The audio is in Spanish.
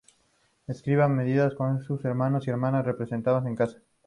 Escribía comedias, que sus hermanos y hermanas representaban en casa.